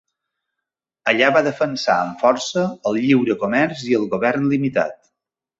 Allà va defensar amb força el lliure comerç i el govern limitat.